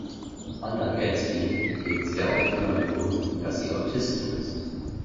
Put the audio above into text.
Hannah Gadsby geht sehr offen damit um, dass sie Autistin ist.